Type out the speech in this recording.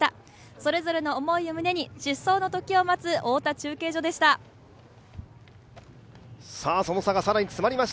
それぞれの思いを胸に出走の時を待つ太田中継所でした。